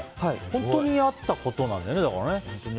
本当にあったことなんだよねだから。